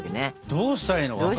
どうしたらいい？